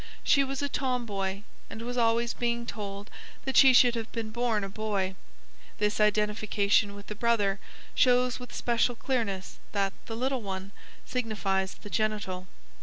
She was a "tomboy," and was always being told that she should have been born a boy. This identification with the brother shows with special clearness that "the little one" signifies the genital.